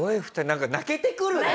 なんか泣けてくるね！